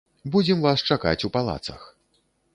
Будзем вас чакаць у палацах.